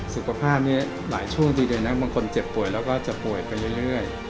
สุขภาพนี้หลายช่วงดีเลยนะบางคนเจ็บป่วยแล้วก็จะป่วยไปเรื่อย